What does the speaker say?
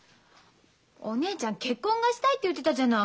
お姉ちゃん結婚がしたいって言ってたじゃない。